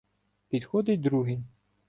Підходить другий.